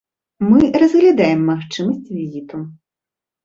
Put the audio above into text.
Мы разглядаем магчымасць візіту.